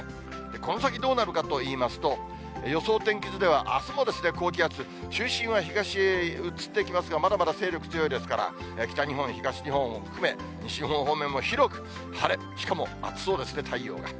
この先どうなるかといいますと、予想天気図では、あすも高気圧、中心は東へ移ってきますが、まだまだ勢力強いですから、北日本、東日本も含め、西日本方面も広く晴れ、しかも暑そうですね、太陽が。